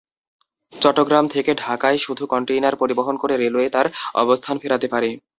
চট্টগ্রাম থেকে ঢাকায় শুধু কনটেইনার পরিবহন করে রেলওয়ে তার অবস্থান ফেরাতে পারে।